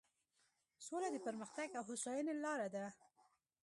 سوله د پرمختګ او هوساینې لاره ده.